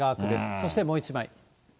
そしてもう１枚。